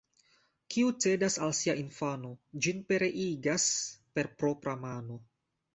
Kiu cedas al sia infano, ĝin pereigas per propra mano.